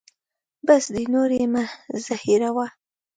بس دی نور یې مه زهیروه.